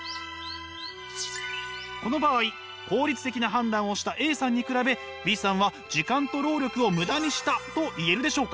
この場合効率的な判断をしたＡさんに比べＢさんは時間と労力をムダにしたと言えるでしょうか？